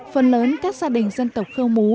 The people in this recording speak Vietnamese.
phần lớn các gia đình dân tộc khơ mú